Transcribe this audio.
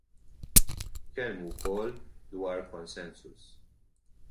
Tkellmu wkoll dwar consensus.